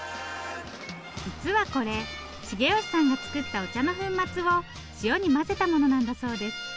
実はこれ茂吉さんが作ったお茶の粉末を塩に混ぜたものなんだそうです。